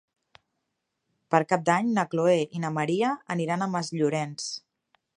Per Cap d'Any na Chloé i na Maria aniran a Masllorenç.